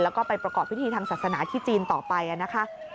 แล้วก็ไปประกอบพิธีทางศาสนาที่จีนต่อไปนะคะ